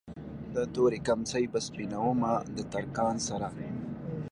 دا تورې کمڅۍ به سپينومه د ترکان سره